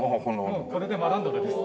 もうこれでマランドロです。